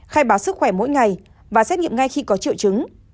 khai báo sức khỏe mỗi ngày và xét nghiệm ngay khi có triệu chứng